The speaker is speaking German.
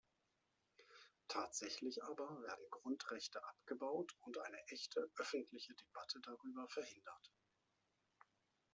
Tatsächlich aber werden Grundrechte abgebaut und eine echte öffentliche Debatte darüber verhindert.